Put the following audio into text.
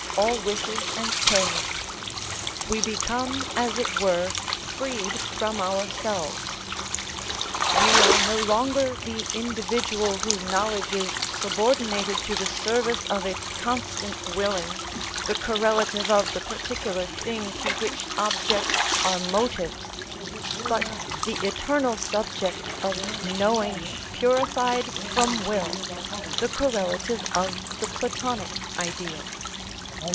_, all wishes and cares; we become, as it were, freed from ourselves. We are no longer the individual whose knowledge is subordinated to the service of its constant willing, the correlative of the particular thing to which objects are motives, but the eternal subject of knowing purified from will, the correlative of the Platonic Idea.